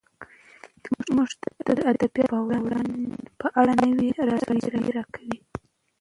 موږ ته د ادبياتو په اړه نوې زاويه راکوي